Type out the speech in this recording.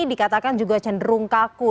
dikatakan juga cenderung kaku